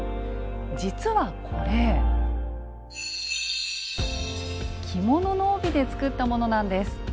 実はこれ着物の帯で作ったものなんです。